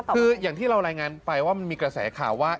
คืออย่างที่เรารายงานไปว่ามันมีกระแสข่าวว่า